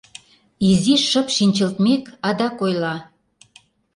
Изиш шып шинчылтмек, адак ойла: